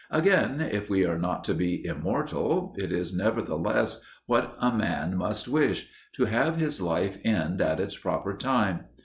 Again, if we are not to be immortal, it is nevertheless what a man must wish to have his life end at its proper time.